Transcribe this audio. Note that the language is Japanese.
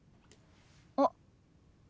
あっ。